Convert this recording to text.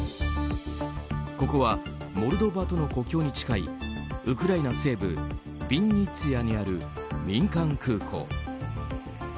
ここは、モルドバとの国境に近いウクライナ西部ビンニツィアにある民間空港。